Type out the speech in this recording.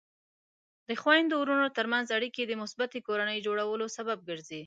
د خویندو ورونو ترمنځ اړیکې د مثبتې کورنۍ جوړولو سبب ګرځي.